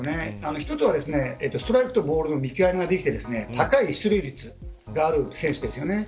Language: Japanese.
１つは、ストライクとボールの見極めができて高い出塁率がある選手です。